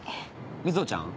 瑞穂ちゃん